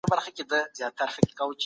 هغوی د خپلو لاسونو په مینځلو بوخت دي.